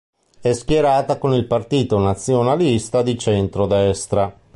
È schierata con il Partito Nazionalista di centro-destra.